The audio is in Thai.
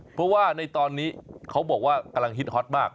เพราะว่าในตอนนี้เขาบอกว่ากำลังฮิตฮอตมาก